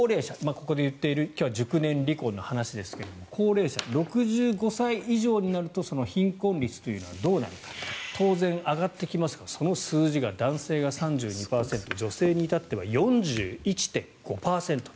ここで言っている今日は熟年離婚の話ですが高齢者、６５歳以上になるとその貧困率がどうなるかというと当然、上がってきますがその数字が男性が３２％女性に至っては４１．５％。